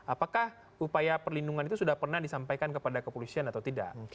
apakah upaya perlindungan itu sudah pernah disampaikan kepada kepolisian atau tidak